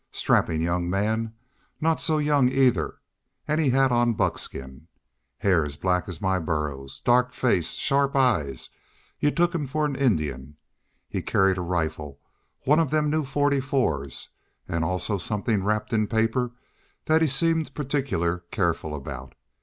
Strappin' young man not so young, either an' he had on buckskin. Hair black as my burros, dark face, sharp eyes you'd took him fer an Injun. He carried a rifle one of them new forty fours an' also somethin' wrapped in paper thet he seemed partickler careful about.